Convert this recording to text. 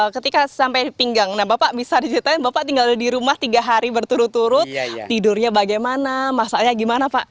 ketika sampai pinggang nah bapak bisa diceritain bapak tinggal di rumah tiga hari berturut turut tidurnya bagaimana masaknya gimana pak